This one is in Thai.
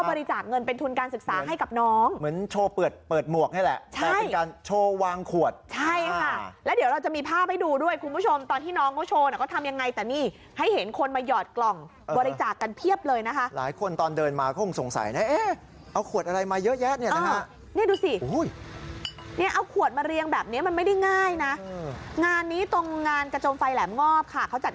แบบนี้ไม่ได้ง่ายนะงานนี้ตรงงารกระจมไฟแหลมงอบค่ะเขาจัด